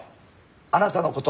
あなたの事。